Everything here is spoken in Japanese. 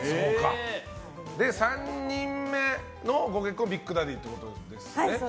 ３人目のご結婚がビッグダディということですね。